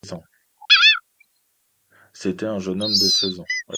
C'était un jeune homme de seize ans.